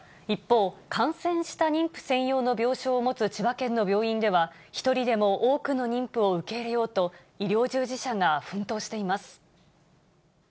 一方、感染した妊婦専用の病床を持つ千葉県の病院では、１人でも多くの妊婦を受け入れようと、医療従事者が奮闘しています。